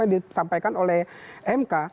yang disampaikan oleh mk